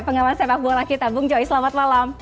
pengawas sepak bola kita bung joy selamat malam